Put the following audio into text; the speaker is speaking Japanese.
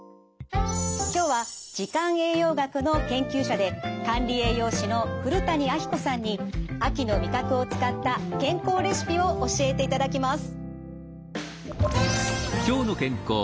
今日は時間栄養学の研究者で管理栄養士の古谷彰子さんに秋の味覚を使った健康レシピを教えていただきます。